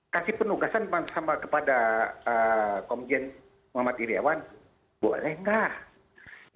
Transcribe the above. kasih penugasan sama kepada komjen muhammad iryawan boleh nggak